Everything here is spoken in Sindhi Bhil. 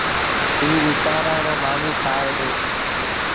ائيٚݩ ٻپآݩرآرو مآݩيٚ کآئي دو